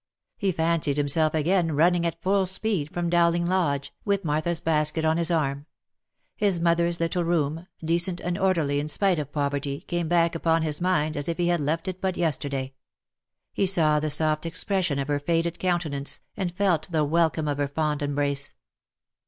He fancied himself again running at full speed from Dow ling Lodge, with Martha's basket on his arm ; his mother's little room, decent and orderly in spite of poverty, came back upon his mind as if he had left it but yesterday. He saw the soft expression of her faded countenance, and felt the welcome of her fond embrace.